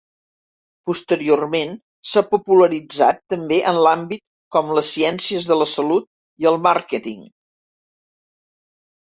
Posteriorment s'ha popularitzat també en àmbit com les ciències de la salut i el màrqueting.